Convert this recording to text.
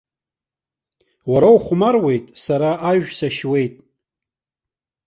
Уара ухәмаруеит, сара ажә сашьуеит!